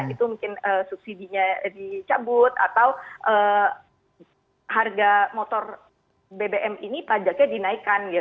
itu mungkin subsidi nya dicabut atau harga motor bbm ini pajaknya dinaikkan gitu